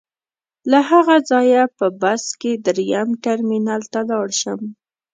له هغه ځایه په بس کې درېیم ټرمینل ته لاړ شم.